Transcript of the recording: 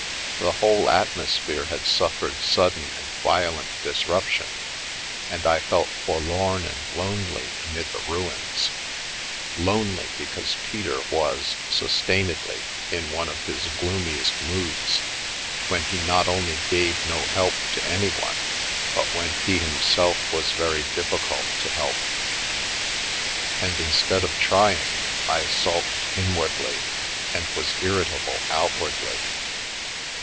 The whole atmosphere had suffered sudden and violent disruption, and I felt forlorn and lonely amid the ruins; lonely, because Peter was, sustainedly, in one of his gloomiest moods when he not only gave no help to anyone but when he himself was very difficult to help. And instead of trying, I sulked inwardly, and was irri table outwardly.